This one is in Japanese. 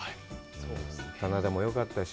棚田もよかったし。